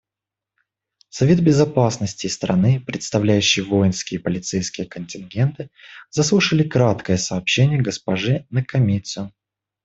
Совет Безопасности и страны, предоставляющие воинские и полицейские контингенты, заслушали краткое сообщение госпожи Накамицу.